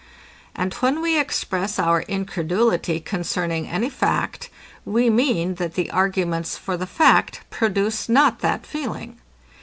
And when we express our incredulity concerning any fact, we mean, that the arguments for the fact produce not that feeling.